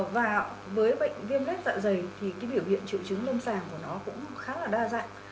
và với bệnh viêm ghép dạ dày thì cái biểu hiện triệu chứng lâm sàng của nó cũng khá là đa dạng